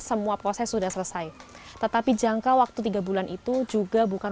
kenapa kamu yang gak makan